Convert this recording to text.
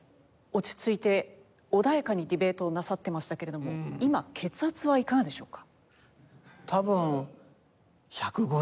落ち着いて穏やかにディベートをなさってましたけれどもひろゆきさんの手応えはいかがでしたか？